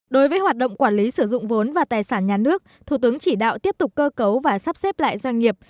đối với hoạt động quản lý sử dụng vốn và tài sản nhà nước thủ tướng chỉ đạo tiếp tục cơ cấu và sắp xếp lại doanh nghiệp